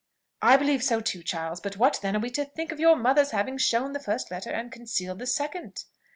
"I believe so too, Charles. But what, then, are we to think of your mother's having shown the first letter, and concealed the second?"